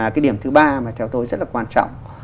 cái điểm thứ ba mà theo tôi rất là quan trọng